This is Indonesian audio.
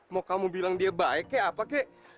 mau kamu bilang dia baik ke apa ke